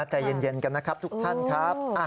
ใจเย็นกันนะครับทุกท่านครับ